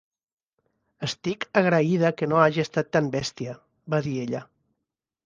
"Estic agraïda que no hagi estat tan bèstia", va dir ella.